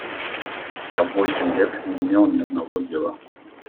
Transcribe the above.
Я в восемь лет не имел ни одного дела.